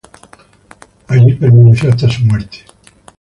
Allí permaneció hasta su muerte.